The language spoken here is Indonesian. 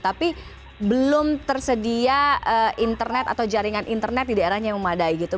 tapi belum tersedia internet atau jaringan internet di daerahnya yang memadai gitu